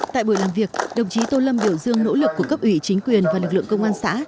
tại buổi làm việc đồng chí tô lâm biểu dương nỗ lực của cấp ủy chính quyền và lực lượng công an xã